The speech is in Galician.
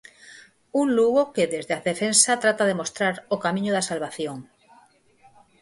Un Lugo que desde a defensa trata de mostrar o camiño da salvación.